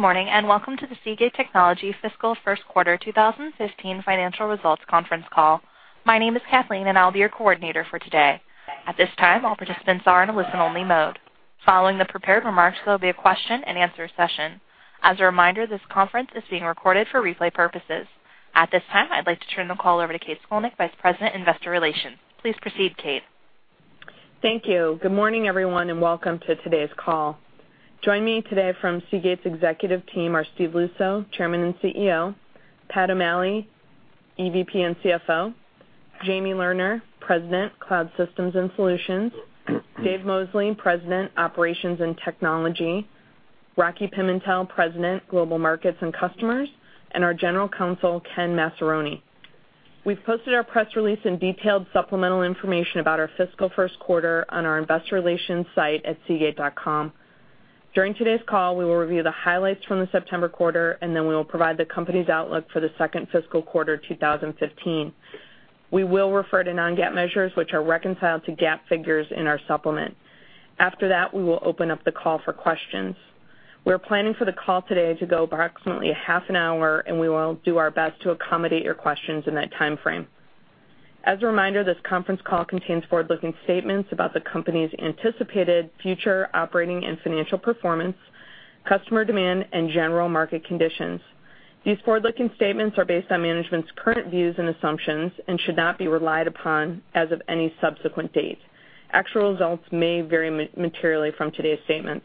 Good morning. Welcome to the Seagate Technology fiscal first quarter 2015 financial results conference call. My name is Kathleen, and I'll be your coordinator for today. At this time, all participants are in a listen-only mode. Following the prepared remarks, there will be a question and answer session. As a reminder, this conference is being recorded for replay purposes. At this time, I'd like to turn the call over to Kate Scolnick, Vice President, Investor Relations. Please proceed, Kate. Thank you. Good morning, everyone. Welcome to today's call. Joining me today from Seagate's executive team are Steve Luczo, Chairman and CEO; Patrick O'Malley, EVP and CFO; Jamie Lerner, President, Cloud Systems and Solutions; Dave Mosley, President, Operations and Technology; Rocky Pimentel, President, Global Markets and Customers, and our General Counsel, Kenneth Massaroni. We've posted our press release and detailed supplemental information about our fiscal first quarter on our investor relations site at seagate.com. During today's call, we will review the highlights from the September quarter. Then we will provide the company's outlook for the second fiscal quarter 2015. We will refer to non-GAAP measures, which are reconciled to GAAP figures in our supplement. After that, we will open up the call for questions. We're planning for the call today to go approximately a half an hour. We will do our best to accommodate your questions in that timeframe. As a reminder, this conference call contains forward-looking statements about the company's anticipated future operating and financial performance, customer demand, and general market conditions. These forward-looking statements are based on management's current views and assumptions and should not be relied upon as of any subsequent date. Actual results may vary materially from today's statements.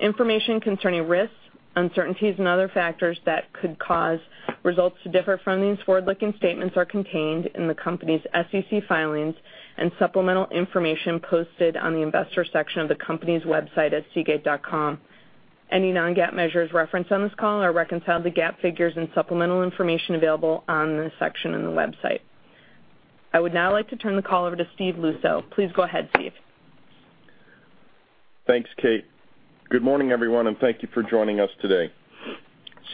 Information concerning risks, uncertainties, and other factors that could cause results to differ from these forward-looking statements are contained in the company's SEC filings and supplemental information posted on the investor section of the company's website at seagate.com. Any non-GAAP measures referenced on this call are reconciled to GAAP figures in supplemental information available on this section in the website. I would now like to turn the call over to Steve Luczo. Please go ahead, Steve. Thanks, Kate. Good morning, everyone, and thank you for joining us today.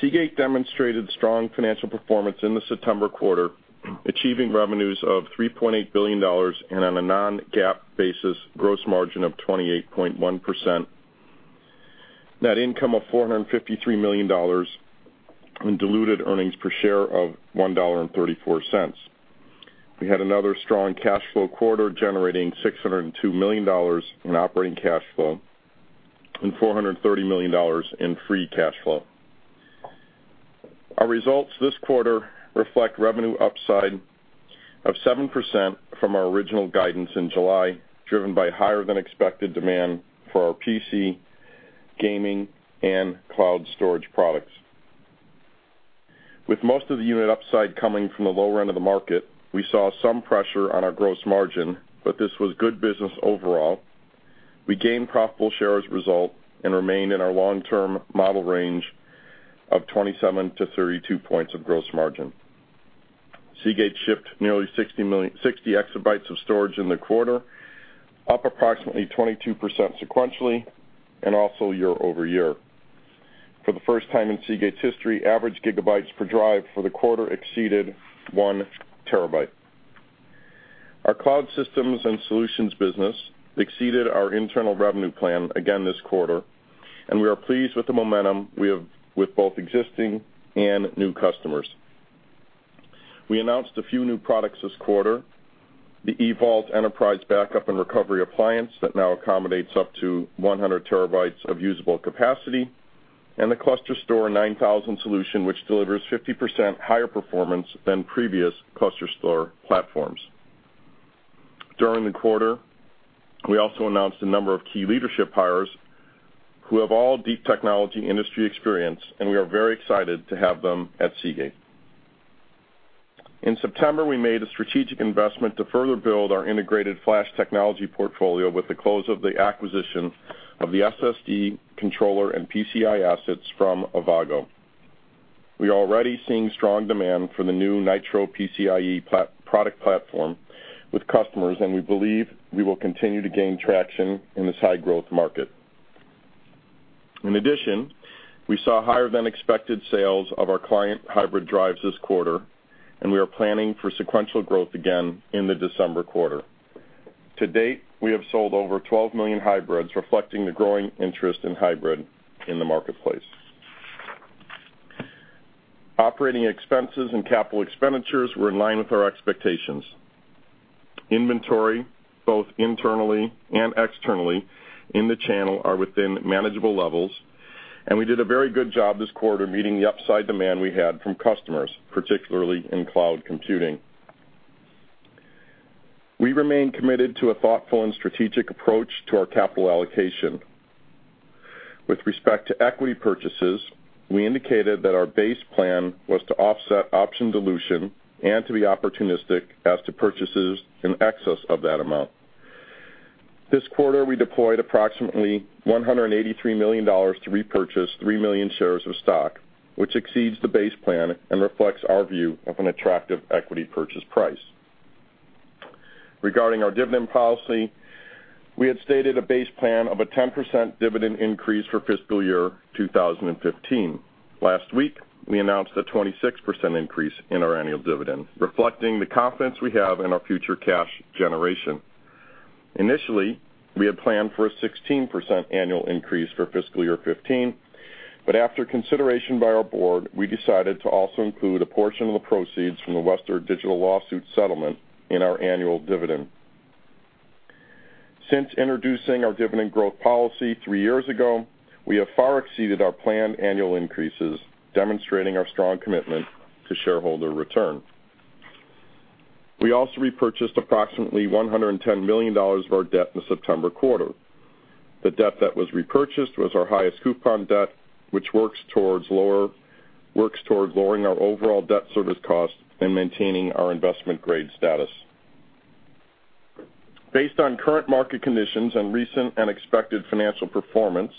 Seagate demonstrated strong financial performance in the September quarter, achieving revenues of $3.8 billion, and on a non-GAAP basis, gross margin of 28.1%, net income of $453 million, and diluted earnings per share of $1.34. We had another strong cash flow quarter, generating $602 million in operating cash flow and $430 million in free cash flow. Our results this quarter reflect revenue upside of 7% from our original guidance in July, driven by higher than expected demand for our PC, gaming, and cloud storage products. With most of the unit upside coming from the low end of the market, we saw some pressure on our gross margin, but this was good business overall. We gained profitable share as a result and remained in our long-term model range of 27-32 points of gross margin. Seagate shipped nearly 60 exabytes of storage in the quarter, up approximately 22% sequentially and also year-over-year. For the first time in Seagate's history, average gigabytes per drive for the quarter exceeded one terabyte. Our cloud systems and solutions business exceeded our internal revenue plan again this quarter, and we are pleased with the momentum with both existing and new customers. We announced a few new products this quarter, the EVault Enterprise Backup and Recovery Appliance that now accommodates up to 100 terabytes of usable capacity, and the ClusterStor 9000 solution, which delivers 50% higher performance than previous ClusterStor platforms. During the quarter, we also announced a number of key leadership hires who have all deep technology industry experience, and we are very excited to have them at Seagate. In September, we made a strategic investment to further build our integrated flash technology portfolio with the close of the acquisition of the SSD controller and PCIe assets from Avago. We are already seeing strong demand for the new Nytro PCIe product platform with customers, and we believe we will continue to gain traction in this high-growth market. In addition, we saw higher than expected sales of our client hybrid drives this quarter, and we are planning for sequential growth again in the December quarter. To date, we have sold over 12 million hybrids, reflecting the growing interest in hybrid in the marketplace. Operating expenses and capital expenditures were in line with our expectations. Inventory, both internally and externally in the channel, are within manageable levels, and we did a very good job this quarter meeting the upside demand we had from customers, particularly in cloud computing. We remain committed to a thoughtful and strategic approach to our capital allocation. With respect to equity purchases, we indicated that our base plan was to offset option dilution and to be opportunistic as to purchases in excess of that amount. This quarter, we deployed approximately $183 million to repurchase 3 million shares of stock, which exceeds the base plan and reflects our view of an attractive equity purchase price. Regarding our dividend policy, we had stated a base plan of a 10% dividend increase for fiscal year 2015. Last week, we announced a 26% increase in our annual dividend, reflecting the confidence we have in our future cash generation. Initially, we had planned for a 16% annual increase for fiscal year 2015, but after consideration by our board, we decided to also include a portion of the proceeds from the Western Digital lawsuit settlement in our annual dividend. Since introducing our dividend growth policy three years ago, we have far exceeded our planned annual increases, demonstrating our strong commitment to shareholder return. We also repurchased approximately $110 million of our debt in the September quarter. The debt that was repurchased was our highest coupon debt, which works towards lowering our overall debt service costs and maintaining our investment grade status. Based on current market conditions and recent and expected financial performance,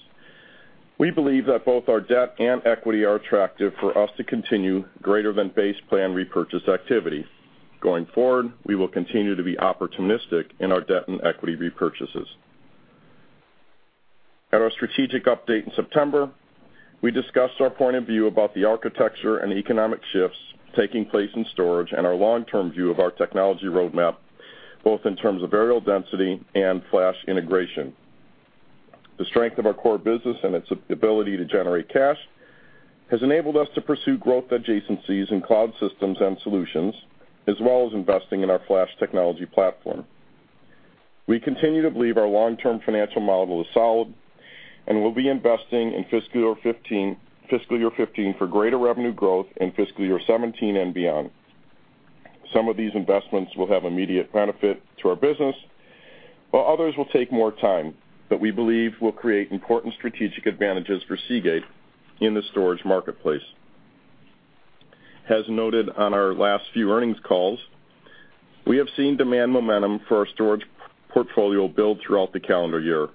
we believe that both our debt and equity are attractive for us to continue greater than base plan repurchase activity. Going forward, we will continue to be opportunistic in our debt and equity repurchases. At our strategic update in September, we discussed our point of view about the architecture and economic shifts taking place in storage, and our long-term view of our technology roadmap, both in terms of areal density and flash integration. The strength of our core business and its ability to generate cash has enabled us to pursue growth adjacencies in cloud systems and solutions, as well as investing in our flash technology platform. We continue to believe our long-term financial model is solid, and we'll be investing in fiscal year 2015 for greater revenue growth in fiscal year 2017 and beyond. Some of these investments will have immediate benefit to our business, while others will take more time that we believe will create important strategic advantages for Seagate in the storage marketplace. As noted on our last few earnings calls, we have seen demand momentum for our storage portfolio build throughout the calendar year.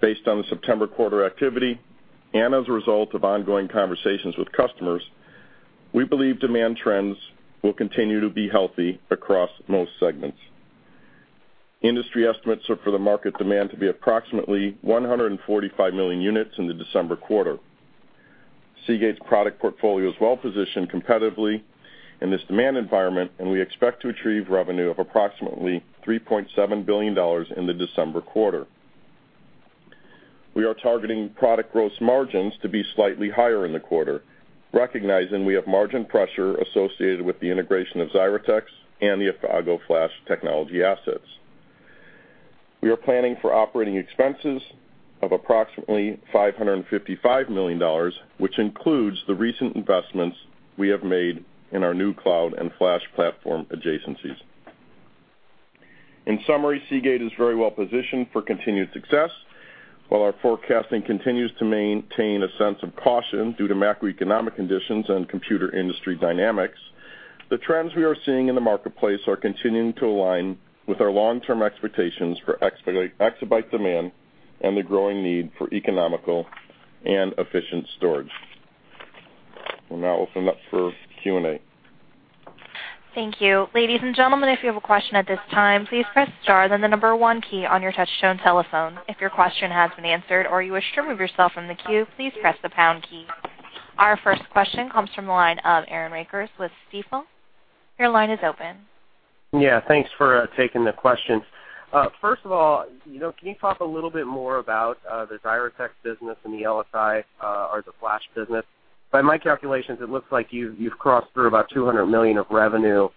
Based on the September quarter activity, and as a result of ongoing conversations with customers, we believe demand trends will continue to be healthy across most segments. Industry estimates are for the market demand to be approximately 145 million units in the December quarter. Seagate's product portfolio is well-positioned competitively in this demand environment, and we expect to achieve revenue of approximately $3.7 billion in the December quarter. We are targeting product gross margins to be slightly higher in the quarter, recognizing we have margin pressure associated with the integration of Xyratex and the Avago Flash technology assets. We are planning for operating expenses of approximately $555 million, which includes the recent investments we have made in our new cloud and flash platform adjacencies. In summary, Seagate is very well positioned for continued success. While our forecasting continues to maintain a sense of caution due to macroeconomic conditions and computer industry dynamics, the trends we are seeing in the marketplace are continuing to align with our long-term expectations for exabyte demand and the growing need for economical and efficient storage. We'll now open up for Q&A. Thank you. Ladies and gentlemen, if you have a question at this time, please press star then the number 1 key on your touchtone telephone. If your question has been answered or you wish to remove yourself from the queue, please press the pound key. Our first question comes from the line of Aaron Rakers with Stifel. Your line is open. Yeah, thanks for taking the questions. First of all, can you talk a little bit more about the Xyratex business and the LSI or the Flash business? By my calculations, it looks like you've crossed through about $200 million of revenue,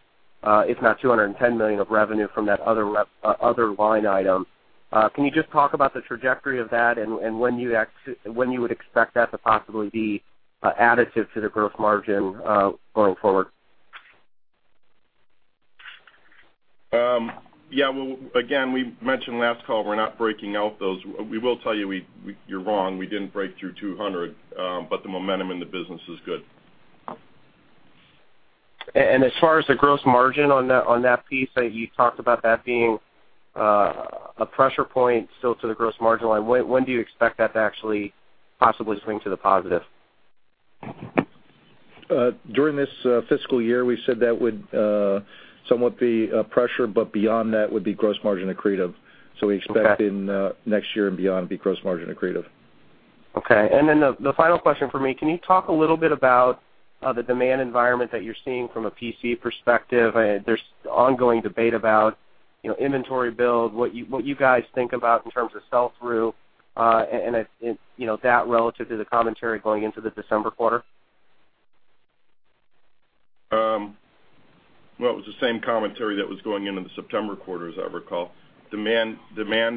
if not $210 million of revenue from that other line item. Can you just talk about the trajectory of that and when you would expect that to possibly be additive to the gross margin going forward? Yeah. Well, again, we mentioned last call, we're not breaking out those. We will tell you you're wrong, we didn't break through $200. The momentum in the business is good. As far as the gross margin on that piece, you talked about that being a pressure point still to the gross margin line. When do you expect that to actually possibly swing to the positive? During this fiscal year, we said that would somewhat be a pressure, but beyond that would be gross margin accretive. We expect in next year and beyond to be gross margin accretive. Okay. The final question for me, can you talk a little bit about the demand environment that you're seeing from a PC perspective? There's ongoing debate about inventory build, what you guys think about in terms of sell-through, and that relative to the commentary going into the December quarter. Well, it was the same commentary that was going into the September quarter, as I recall. Demand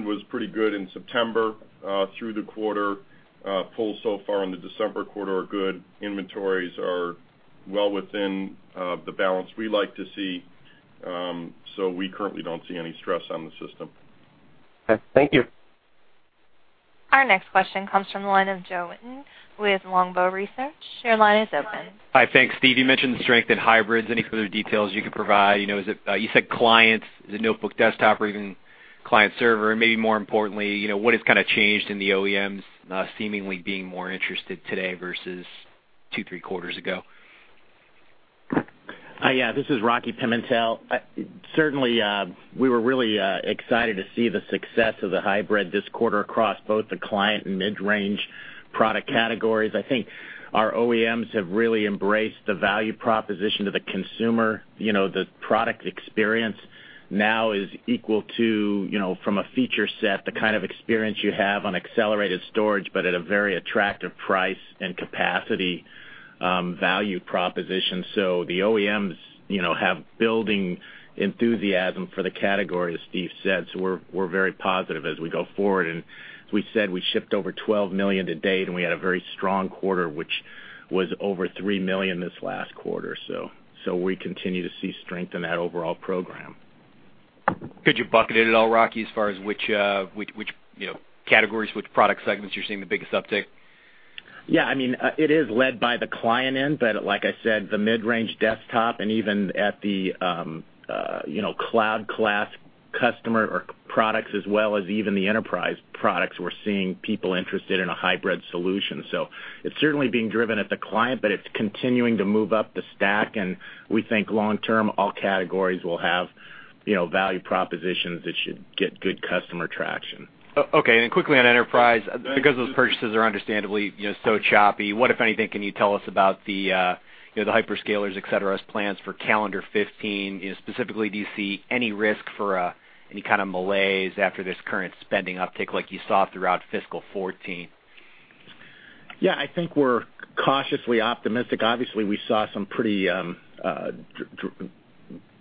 was pretty good in September through the quarter. Pull so far on the December quarter are good. Inventories are well within the balance we like to see, so we currently don't see any stress on the system. Okay, thank you. Our next question comes from the line of Joe Wittine with Longbow Research. Your line is open. Hi. Thanks, Steve. You mentioned the strength in hybrids. Any further details you could provide? You said clients, the notebook desktop or even client server, maybe more importantly, what has changed in the OEMs seemingly being more interested today versus two, three quarters ago? This is Rocky Pimentel. Certainly, we were really excited to see the success of the hybrid this quarter across both the client and mid-range product categories. I think our OEMs have really embraced the value proposition to the consumer. The product experience now is equal to, from a feature set, the kind of experience you have on accelerated storage, but at a very attractive price and capacity value proposition. The OEMs have building enthusiasm for the category, as Steve said. We're very positive as we go forward. As we said, we shipped over 12 million to date, and we had a very strong quarter, which was over three million this last quarter. We continue to see strength in that overall program. Could you bucket it at all, Rocky, as far as which categories, which product segments you're seeing the biggest uptick? Yeah. It is led by the client end, but like I said, the mid-range desktop and even at the cloud class customer or products, as well as even the enterprise products, we're seeing people interested in a hybrid solution. It's certainly being driven at the client, but it's continuing to move up the stack, and we think long-term, all categories will have value propositions that should get good customer traction. Okay. Quickly on enterprise, because those purchases are understandably so choppy, what, if anything, can you tell us about the hyperscalers', et cetera, plans for calendar 2015? Specifically, do you see any risk for any kind of malaise after this current spending uptick like you saw throughout fiscal 2014? Yeah, I think we're cautiously optimistic. Obviously, we saw some pretty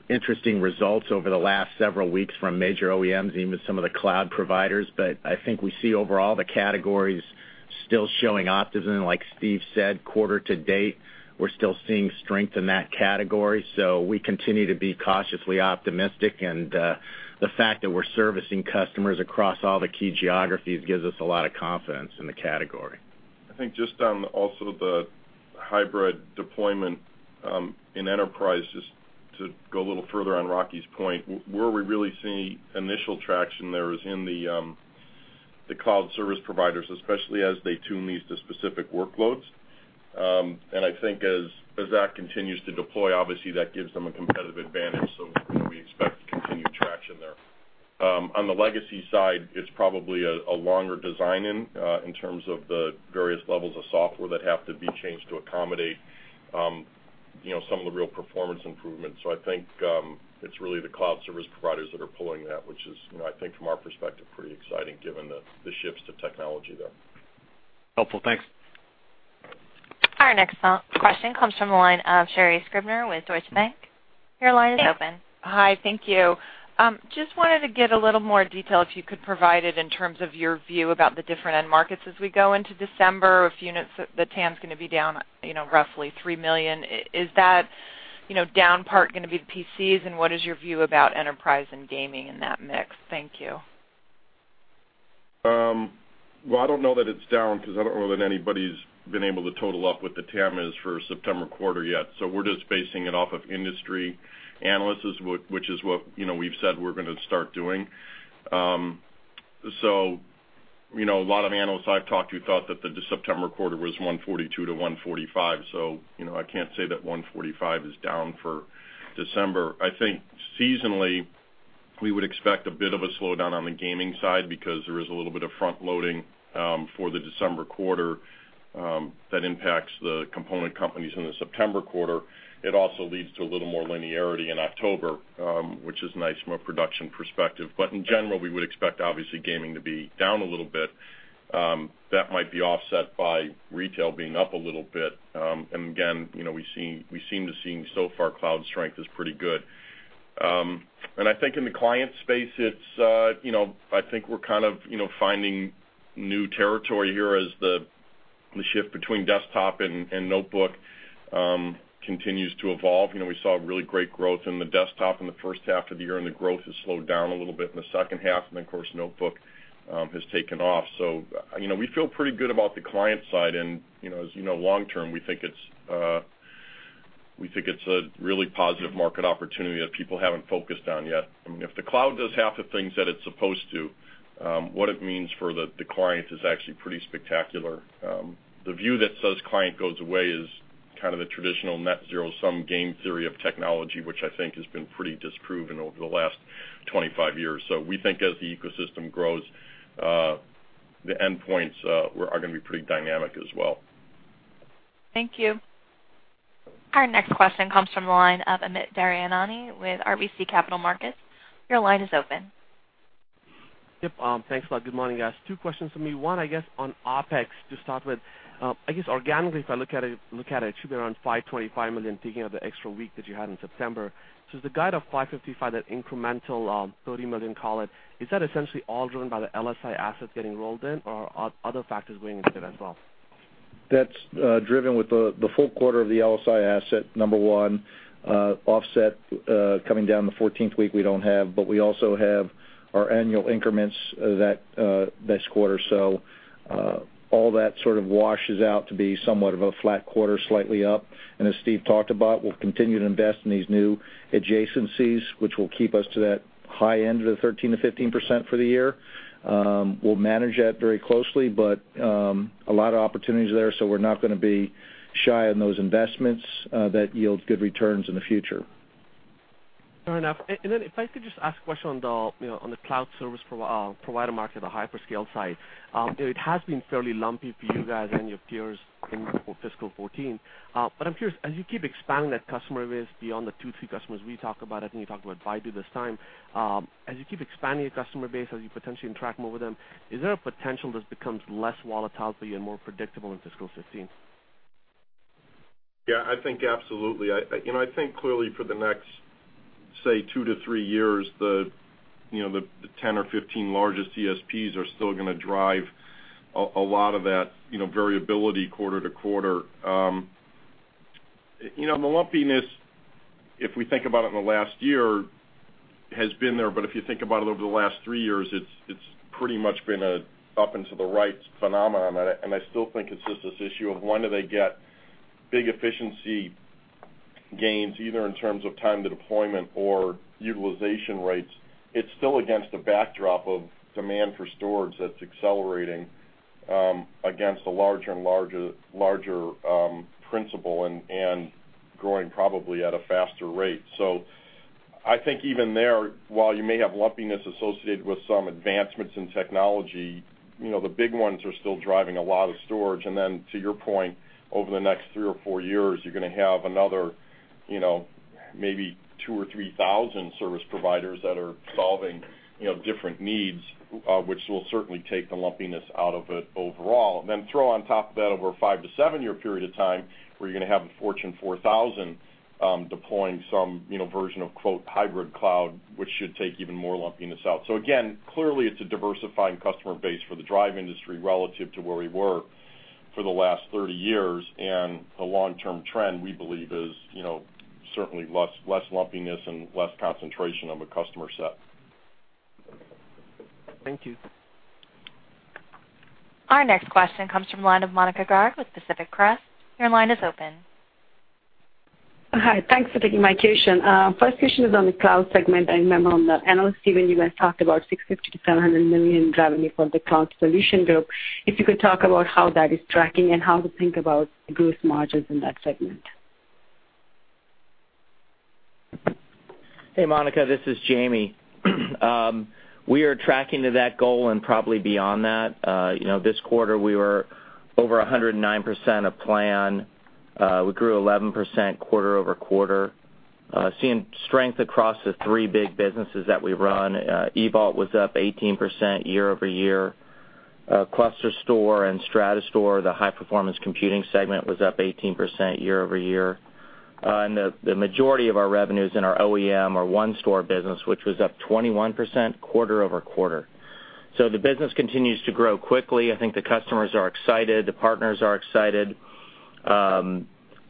interesting results over the last several weeks from major OEMs, even some of the cloud providers. I think we see overall the categories still showing optimism. Like Steve said, quarter to date, we're still seeing strength in that category. We continue to be cautiously optimistic, and the fact that we're servicing customers across all the key geographies gives us a lot of confidence in the category. I think just on also the hybrid deployment in enterprise, just to go a little further on Rocky's point, where we're really seeing initial traction there is in the cloud service providers, especially as they tune these to specific workloads. I think as that continues to deploy, obviously that gives them a competitive advantage. We expect continued traction there. On the legacy side, it's probably a longer design-in, in terms of the various levels of software that have to be changed to accommodate some of the real performance improvements. I think it's really the cloud service providers that are pulling that, which is, I think from our perspective, pretty exciting given the shifts to technology there. Helpful. Thanks. Our next question comes from the line of Sherri Scribner with Deutsche Bank. Your line is open. Hi, thank you. Just wanted to get a little more detail, if you could provide it, in terms of your view about the different end markets as we go into December. If you know the TAM's going to be down roughly 3 million, is that down part going to be the PCs, and what is your view about enterprise and gaming in that mix? Thank you. Well, I don't know that it's down because I don't know that anybody's been able to total up what the TAM is for September quarter yet. We're just basing it off of industry analysts, which is what we've said we're going to start doing. A lot of analysts I've talked to thought that the September quarter was 142-145, so I can't say that 145 is down for December. I think seasonally, we would expect a bit of a slowdown on the gaming side because there is a little bit of front-loading for the December quarter that impacts the component companies in the September quarter. It also leads to a little more linearity in October, which is nice from a production perspective. In general, we would expect, obviously, gaming to be down a little bit. That might be offset by retail being up a little bit. Again, we seem to seeing so far cloud strength is pretty good. I think in the client space, I think we're kind of finding new territory here as the shift between desktop and notebook continues to evolve. We saw really great growth in the desktop in the first half of the year, the growth has slowed down a little bit in the second half. Then, of course, notebook has taken off. We feel pretty good about the client side, and as you know, long term, we think it's a really positive market opportunity that people haven't focused on yet. If the cloud does half the things that it's supposed to, what it means for the client is actually pretty spectacular. The view that says client goes away is kind of the traditional net zero-sum game theory of technology, which I think has been pretty disproven over the last 25 years. We think as the ecosystem grows, the endpoints are going to be pretty dynamic as well. Thank you. Our next question comes from the line of Amit Daryanani with RBC Capital Markets. Your line is open. Yep. Thanks a lot. Good morning, guys. Two questions from me. One, I guess, on OpEx to start with. I guess organically, if I look at it should be around $525 million, thinking of the extra week that you had in September. Is the guide of $555 million, that incremental, $30 million, call it, is that essentially all driven by the LSI assets getting rolled in, or are other factors going into it as well? That's driven with the full quarter of the LSI asset, number one, offset coming down the 14th week we don't have, but we also have our annual increments this quarter. All that sort of washes out to be somewhat of a flat quarter, slightly up. As Steve talked about, we'll continue to invest in these new adjacencies, which will keep us to that high end of the 13%-15% for the year. We'll manage that very closely, but a lot of opportunities there, so we're not going to be shy on those investments that yield good returns in the future. Fair enough. If I could just ask a question on the Cloud Service Provider market at the hyperscale side. It has been fairly lumpy for you guys and your peers in FY 2014. I'm curious, as you keep expanding that customer base beyond the two, three customers we talk about, I think we talked about Baidu this time. As you keep expanding your customer base, as you potentially interact more with them, is there a potential this becomes less volatility and more predictable in fiscal 2015? Yeah, I think absolutely. I think clearly for the next, say, two to three years, the 10 or 15 largest CSPs are still going to drive a lot of that variability quarter-to-quarter. The lumpiness, if we think about it in the last year, has been there, but if you think about it over the last three years, it's pretty much been a up and to the right phenomenon. I still think it's just this issue of when do they get big efficiency gains, either in terms of time to deployment or utilization rates. It's still against a backdrop of demand for storage that's accelerating against a larger and larger principle, and growing probably at a faster rate. I think even there, while you may have lumpiness associated with some advancements in technology, the big ones are still driving a lot of storage. To your point, over the next three or four years, you're going to have another maybe 2,000 or 3,000 service providers that are solving different needs, which will certainly take the lumpiness out of it overall. Throw on top of that over a five to seven-year period of time, where you're going to have a Fortune 4000 deploying some version of hybrid cloud, which should take even more lumpiness out. Again, clearly it's a diversifying customer base for the drive industry relative to where we were for the last 30 years, and the long-term trend, we believe is certainly less lumpiness and less concentration of a customer set. Thank you. Our next question comes from line of Monika Garg with Pacific Crest. Your line is open. Hi. Thanks for taking my question. First question is on the cloud segment. I remember on the analyst, Steve, you guys talked about $650 million-$700 million in revenue for the cloud solution group. If you could talk about how that is tracking and how to think about gross margins in that segment. Hey, Monika, this is Jamie. We are tracking to that goal and probably beyond that. This quarter we were over 109% of plan. We grew 11% quarter-over-quarter, seeing strength across the three big businesses that we run. EVault was up 18% year-over-year. ClusterStor and StratoStor, the high-performance computing segment, was up 18% year-over-year. The majority of our revenues in our OEM are OneStor business, which was up 21% quarter-over-quarter. The business continues to grow quickly. I think the customers are excited, the partners are excited.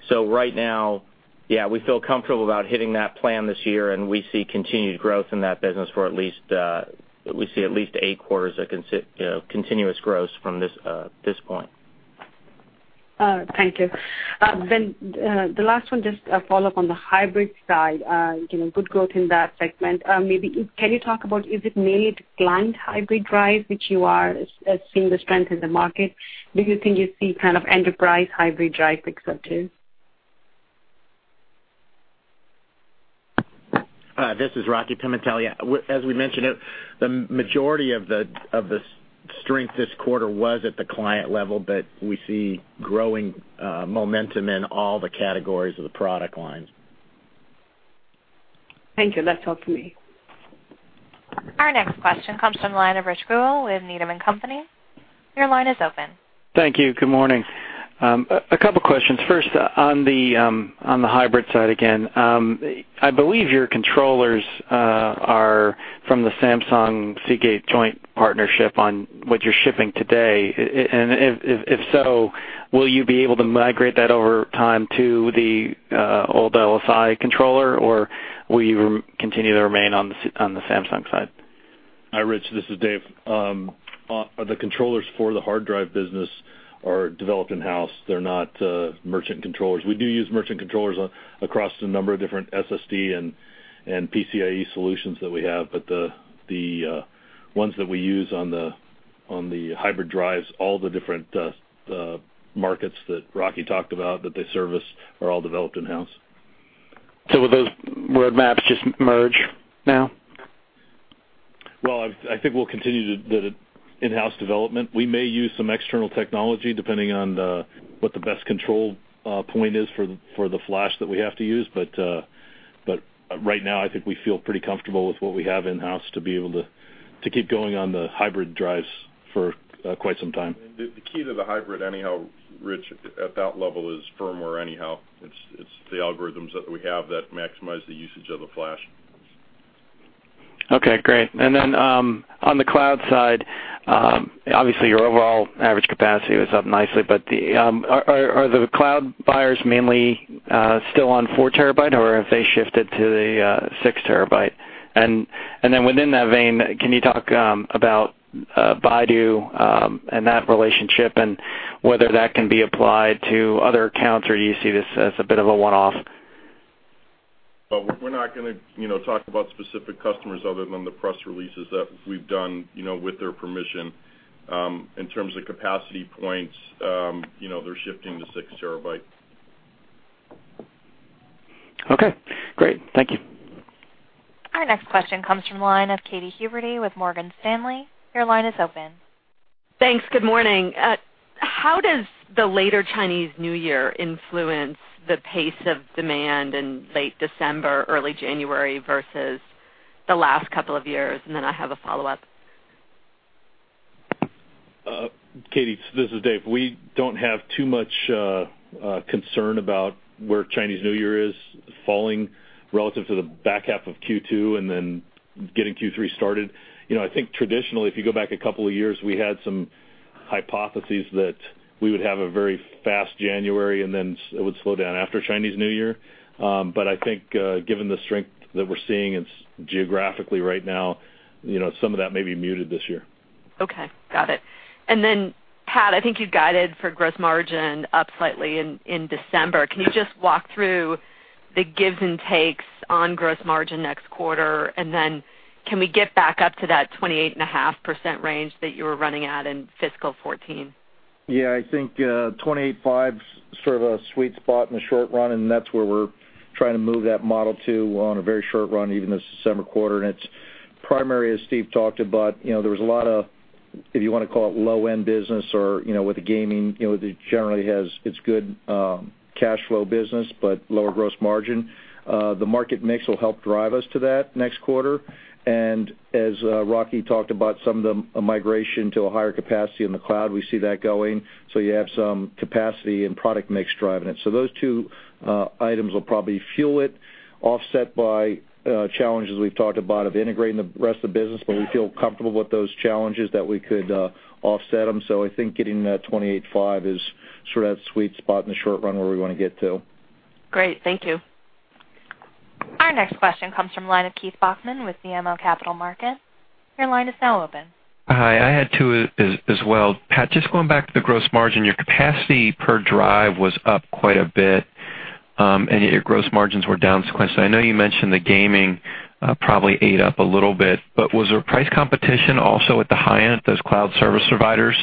Right now, yeah, we feel comfortable about hitting that plan this year, and we see continued growth in that business for at least eight quarters of continuous growth from this point. Thank you. The last one, just a follow-up on the hybrid side. Good growth in that segment. Maybe can you talk about is it mainly the client hybrid drive which you are seeing the strength in the market? Do you think you see enterprise hybrid drive acceptance? This is Rocky Pimentel. As we mentioned it, the majority of the strength this quarter was at the client level, but we see growing momentum in all the categories of the product lines. Thank you. That's helpful to me. Our next question comes from line of Rich Kugele with Needham & Company. Your line is open. Thank you. Good morning. A couple of questions. First, on the hybrid side, again, I believe your controllers are from the Samsung, Seagate joint partnership on, with your shipping today. And if so, will you be able to migrate that over time to the old LSI controller or will you continue to remain on the Samsung side? Hi, Rich, this is Dave. The controllers for the hard drive business are developed in-house. They're not merchant controllers. We do use merchant controllers across a number of different SSD and PCIe solutions that we have. The ones that we use on the hybrid drives, all the different markets that Rocky talked about that they service are all developed in-house. Will those roadmaps just merge now? Well, I think we'll continue the in-house development. We may use some external technology, depending on what the best control point is for the flash that we have to use. Right now, I think we feel pretty comfortable with what we have in-house to be able to keep going on the hybrid drives for quite some time. The key to the hybrid anyhow, Rich, at that level is firmware anyhow. It's the algorithms that we have that maximize the usage of the flash. Okay, great. On the cloud side, obviously your overall average capacity was up nicely, are the cloud buyers mainly still on four terabyte, or have they shifted to the six terabyte? Within that vein, can you talk about Baidu and that relationship and whether that can be applied to other accounts, or do you see this as a bit of a one-off? We're not going to talk about specific customers other than the press releases that we've done with their permission. In terms of capacity points, they're shifting to six terabyte. Okay, great. Thank you. Our next question comes from the line of Katy Huberty with Morgan Stanley. Your line is open. Thanks. Good morning. How does the later Chinese New Year influence the pace of demand in late December, early January, versus the last couple of years? I have a follow-up. Katy, this is Dave. We don't have too much concern about where Chinese New Year is falling relative to the back half of Q2 and then getting Q3 started. I think traditionally, if you go back a couple of years, we had some hypotheses that we would have a very fast January and then it would slow down after Chinese New Year. I think given the strength that we're seeing geographically right now, some of that may be muted this year. Okay, got it. Pat, I think you guided for gross margin up slightly in December. Can you just walk through the gives and takes on gross margin next quarter? Can we get back up to that 28.5% range that you were running at in fiscal 2014? Yeah, I think 28.5% is sort of a sweet spot in the short run, that's where we're trying to move that model to on a very short run, even this December quarter. It's primary, as Steve talked about, there was a lot of, if you want to call it low-end business or with the gaming, it generally has good cash flow business, but lower gross margin. The market mix will help drive us to that next quarter. As Rocky talked about, some of the migration to a higher capacity in the cloud, we see that going. You have some capacity and product mix driving it. Those two items will probably fuel it, offset by challenges we've talked about of integrating the rest of the business, but we feel comfortable with those challenges that we could offset them. I think getting that 28.5% is sort of that sweet spot in the short run where we want to get to. Great. Thank you. Our next question comes from the line of Keith Bachman with BMO Capital Markets. Your line is now open. Hi, I had two as well. Pat, just going back to the gross margin, your capacity per drive was up quite a bit, yet your gross margins were down sequentially. I know you mentioned the gaming probably ate up a little bit, was there price competition also at the high end, those cloud service providers?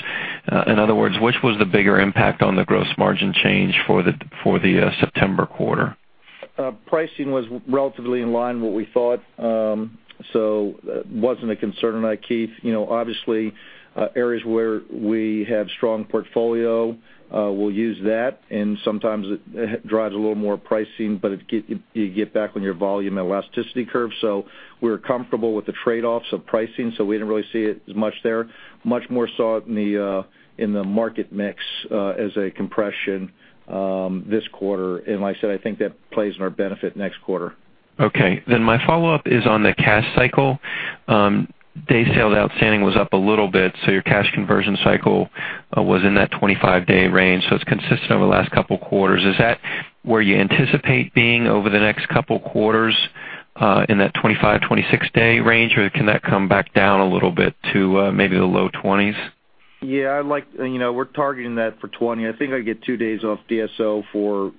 In other words, which was the bigger impact on the gross margin change for the September quarter? Pricing was relatively in line with what we thought, it wasn't a concern. Keith, obviously, areas where we have strong portfolio, we'll use that, sometimes it drives a little more pricing, but you get back on your volume elasticity curve. We're comfortable with the trade-offs of pricing, so we didn't really see it as much there. Much more saw it in the market mix as a compression this quarter. Like I said, I think that plays in our benefit next quarter. Okay. My follow-up is on the cash cycle. Days sales outstanding was up a little bit, your cash conversion cycle was in that 25-day range, it's consistent over the last couple of quarters. Is that where you anticipate being over the next couple of quarters, in that 25, 26-day range, or can that come back down a little bit to maybe the low 20s? Yeah, we're targeting that for 20. I think I get two days off DSO for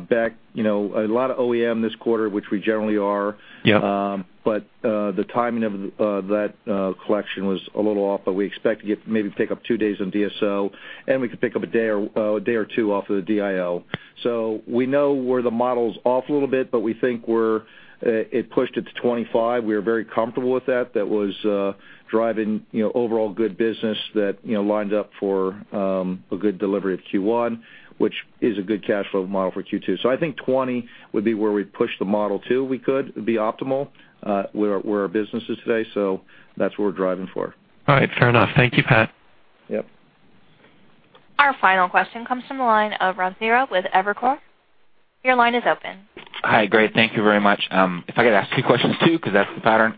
back. A lot of OEM this quarter, which we generally are. Yeah. The timing of that collection was a little off, we expect to maybe pick up two days on DSO, and we could pick up a day or two off of the DIO. We know where the model's off a little bit, we think it pushed it to 25. We are very comfortable with that. That was driving overall good business that lined up for a good delivery of Q1, which is a good cash flow model for Q2. I think 20 would be where we'd push the model to. We could. It'd be optimal where our business is today, that's what we're driving for. All right, fair enough. Thank you, Pat. Yep. Our final question comes from the line of Rob Cihra with Evercore. Your line is open. Hi, great. Thank you very much. If I could ask you questions, too, because that's the pattern.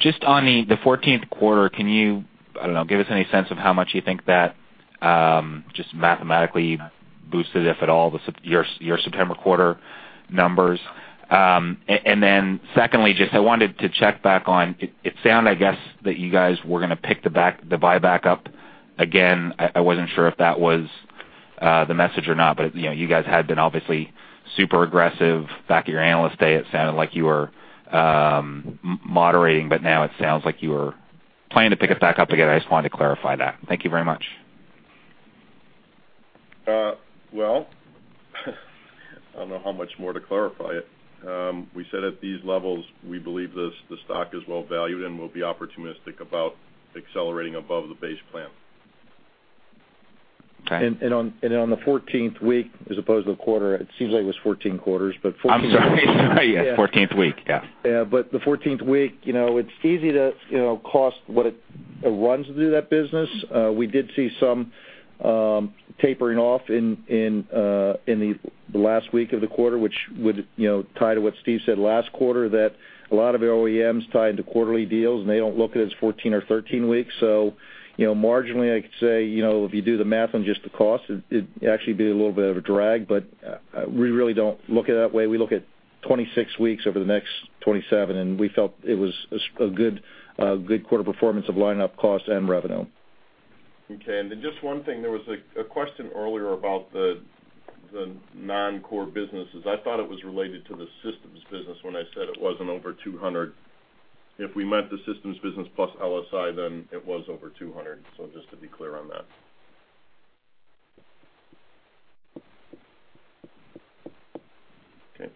Just on the 14th quarter, can you, I don't know, give us any sense of how much you think that just mathematically boosted, if at all, your September quarter numbers? Then secondly, just I wanted to check back on, it sounded, I guess that you guys were going to pick the buyback up again. I wasn't sure if that was the message or not, but you guys had been obviously super aggressive back at your Analyst Day. It sounded like you were moderating, but now it sounds like you are planning to pick us back up again. I just wanted to clarify that. Thank you very much. Well I don't know how much more to clarify it. We said at these levels, we believe the stock is well valued, and we'll be opportunistic about accelerating above the base plan. Okay. On the 14th week, as opposed to the quarter, it seems like it was 14 quarters, but. I'm sorry. Yeah, 14th week. Yeah. Yeah, the 14th week it's easy to cost what it runs to do that business. We did see some tapering off in the last week of the quarter, which would tie to what Steve said last quarter, that a lot of OEMs tie into quarterly deals, and they don't look at it as 14 or 13 weeks. Marginally, I could say, if you do the math on just the cost, it'd actually be a little bit of a drag, we really don't look at it that way. We look at 26 weeks over the next 27, we felt it was a good quarter performance of line-up cost and revenue. Okay. Just one thing, there was a question earlier about the non-core businesses. I thought it was related to the systems business when I said it wasn't over 200. If we meant the systems business plus LSI, it was over 200. Just to be clear on that. Okay.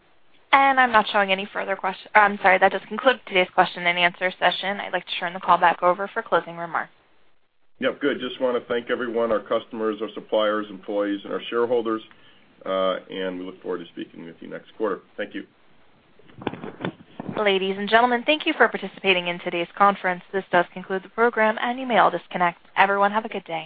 I'm not showing any further questions. I'm sorry. That does conclude today's question and answer session. I'd like to turn the call back over for closing remarks. Yep. Good. Just want to thank everyone, our customers, our suppliers, employees, and our shareholders, and we look forward to speaking with you next quarter. Thank you. Ladies and gentlemen, thank you for participating in today's conference. This does conclude the program. You may all disconnect. Everyone, have a good day.